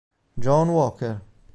John Walker